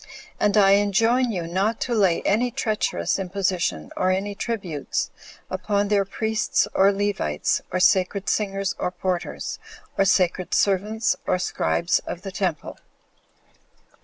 And I enjoin you not to lay any treacherous imposition, or any tributes, upon their priests or Levites, or sacred singers, or porters, or sacred servants, or scribes of the temple.